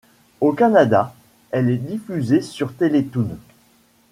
Au Canada, elle est diffusée sur Télétoon.